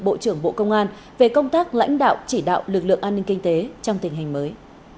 bộ trưởng bộ công an về công tác lãnh đạo chỉ đạo lực lượng an ninh kinh tế trong tình hình mới